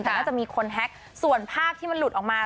แต่น่าจะมีคนแฮ็กส่วนภาพที่มันหลุดออกมา